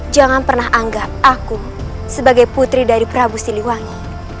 jangan pernah anggap aku sebagai putri dari prabu siliwangi